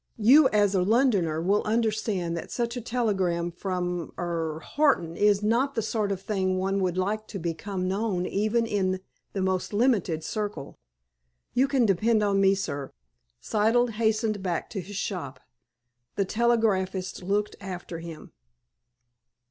"You, as a Londoner, will understand that such a telegram from—er—Horton is not the sort of thing one would like to become known even in the most limited circle." "You can depend on me, sir." Siddle hastened back to his shop. The telegraphist looked after him.